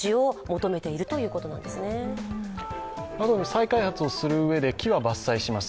再開発をするうえで木は伐採します。